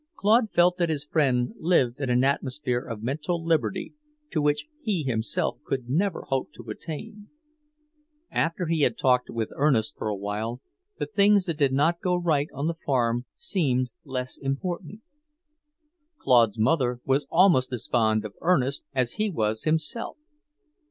Claude felt that his friend lived in an atmosphere of mental liberty to which he himself could never hope to attain. After he had talked with Ernest for awhile, the things that did not go right on the farm seemed less important. Claude's mother was almost as fond of Ernest as he was himself.